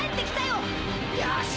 よし！